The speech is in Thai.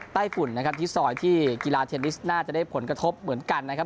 ใต้ฝุ่นนะครับที่ซอยที่กีฬาเทนนิสน่าจะได้ผลกระทบเหมือนกันนะครับ